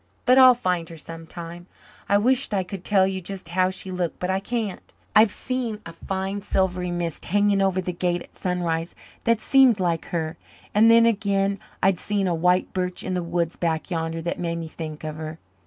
But I'll find her sometime. I wisht I could tell you just how she looked but I can't. I've seen a fine silvery mist hanging over the Gate at sunrise that seemed like her and then again I've seen a white birch in the woods back yander that made me think of her.